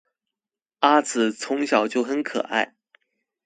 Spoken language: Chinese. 阿梓从小就很可爱